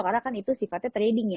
karena kan itu sifatnya trading ya